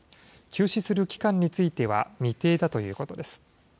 休止する期間については未定だということです。